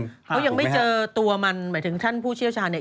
เขายังไม่เจอตัวมันหมายถึงท่านผู้เชี่ยวชาญเนี่ย